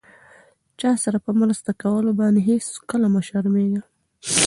چاسره په مرسته کولو باندې هيڅکله مه شرميږم!